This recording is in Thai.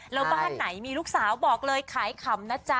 แล้วบ้านไหนมีลูกสาวบอกเลยขายขำนะจ๊ะ